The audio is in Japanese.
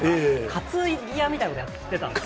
担ぎ屋みたいなことをやってたんですよ。